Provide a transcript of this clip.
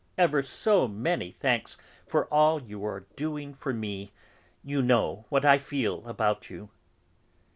Ever so many thanks for all you are doing for me you know what I feel about you!"